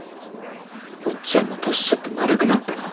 オッチャンも年取って丸くなったな。